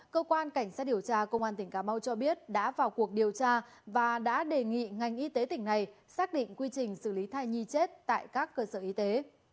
cơ quan cảnh sát điều tra công an tỉnh cà mau cho biết đã vào cuộc điều tra và đã đề nghị ngành y tế tỉnh này xác định quy trình xử lý thai nhi chết tại các cơ sở y tế